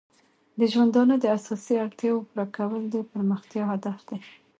د ژوندانه د اساسي اړتیاو پوره کول د پرمختیا هدف دی.